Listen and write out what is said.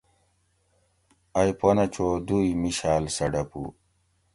ائی پنہ چو دُوئی مِیشاۤل سہ ڈۤپو